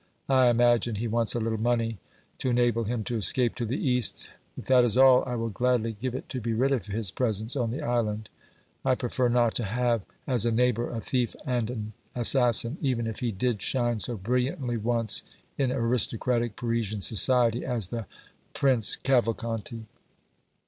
I imagine he wants a little money to enable him to escape to the east; if that is all, I will gladly give it to be rid of his presence, on the island. I prefer not to have as a neighbor a thief and an assassin, even if he did shine so brilliantly once in aristocratic Parisian society as the Prince Cavalcanti!"